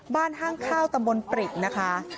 ห้างข้าวตำบลปริกนะคะ